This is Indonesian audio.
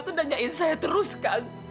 tuh nanyain saya terus kang